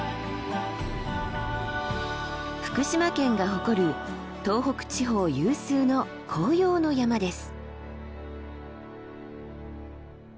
福島県が誇る東北地方有数の紅葉の山です。